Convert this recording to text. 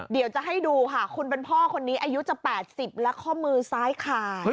เดี๋ยวจะให้ดูค่ะคุณเป็นพ่อคนนี้อายุจะ๘๐และข้อมือซ้ายขาด